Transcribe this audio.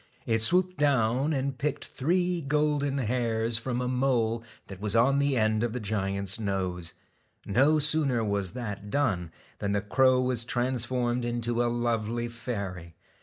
It swooped down and picked three golden hairs from a mole that was on the end of the giant's nose. No sooner was that done, than the crow was transformed into a lovely fairy.